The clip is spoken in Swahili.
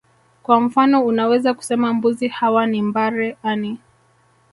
Kwa mfano unaweza kusema mbuzi hawa ni mbare ani